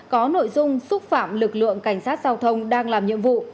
có nội dung xúc phạm lực lượng cảnh sát giao thông đang làm nhiệm vụ